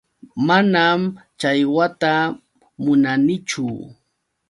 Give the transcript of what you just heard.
Manam challwata munanichu.